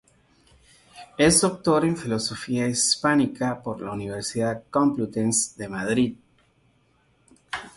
Es Doctor en Filología Hispánica por la Universidad Complutense de Madrid.